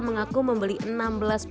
mengaku membeli antopakarata